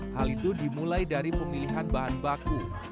hal itu dimulai dari pemilihan bahan baku